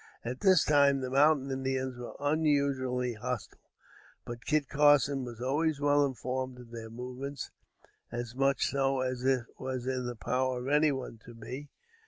At this time, the Mountain Indians were unusually hostile; but Kit Carson was always well informed of their movements as much so as it was in the power of any one to be.